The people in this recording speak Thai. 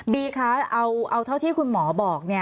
คะเอาเท่าที่คุณหมอบอก